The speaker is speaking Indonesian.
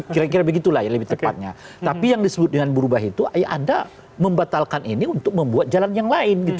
kira kira begitulah ya lebih cepatnya tapi yang disebut dengan berubah itu anda membatalkan ini untuk membuat jalan yang lain gitu